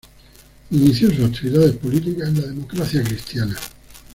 Inició sus actividades políticas en la Democracia Cristiana.